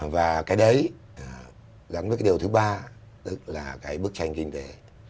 và cái đấy gắn với cái điều thứ ba tức là cái bức tranh kinh tế